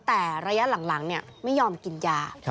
แต่ระยะหลังไม่ยอมกินยา